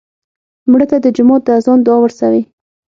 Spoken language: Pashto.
مړه ته د جومات د اذان دعا ورسوې